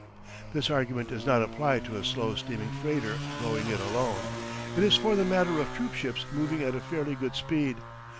This argument does not apply to a slow steaming freighter going it alone; it is for the matter of troop ships moving at a fairly good speed.